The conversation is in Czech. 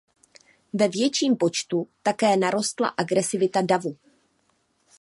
Ve vyšším počtu také narostla agresivita davu.